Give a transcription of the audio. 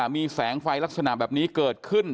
มีแสงไฟลักษณะแบบนี้เกิดขึ้น